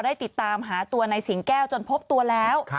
ได้ติดตามหาตัวในสิงแก้วจนพบตัวแล้ว